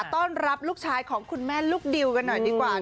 ต้อนรับลูกชายของคุณแม่ลูกดิวกันหน่อยดีกว่า